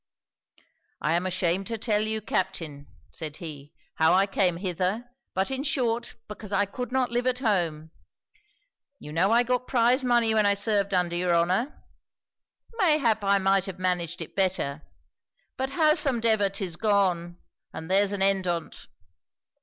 '"I am ashamed to tell you, Captain," said he, "how I came hither; but in short because I could not live at home. You know I got prize money when I served under your honour. Mayhap I might have managed it better; but howsomdever 'tis gone, and there's an end on't.